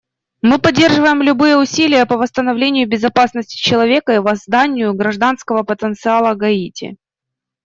Мы поддерживаем любые усилия по восстановлению безопасности человека и воссозданию гражданского потенциала Гаити.